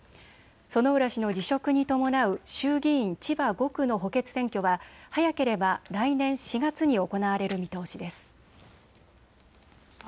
薗浦氏の辞職に伴う衆議院千葉５区の補欠選挙は早ければ来年４月に行われる見通しです。